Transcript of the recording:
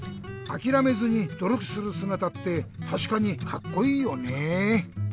あきらめずにどりょくするすがたってたしかにカッコイイよね。